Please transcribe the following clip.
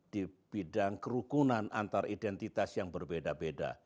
di bidang kerukunan antar identitas yang berbeda beda